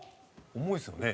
重いですよね。